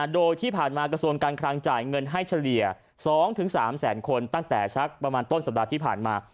โดยที่ผ่านมากระทรวงการคลังจ่ายเงินให้เฉลี่ย๒๓แสนคนตั้งแต่สักประมาณต้นสัปดาห์ที่ผ่านมา